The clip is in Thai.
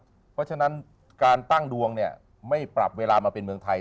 เพราะฉะนั้นการตั้งดวงเนี่ยไม่ปรับเวลามาเป็นเมืองไทย